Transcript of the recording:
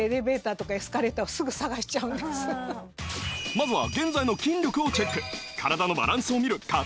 まずは現在の筋力をチェック